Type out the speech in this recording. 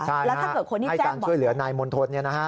แล้วถ้าเกิดคนที่แจ้งเบาะแส